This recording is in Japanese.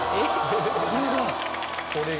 「これが」？